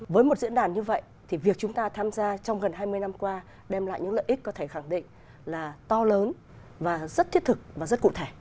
với một diễn đàn như vậy thì việc chúng ta tham gia trong gần hai mươi năm qua đem lại những lợi ích có thể khẳng định là to lớn và rất thiết thực và rất cụ thể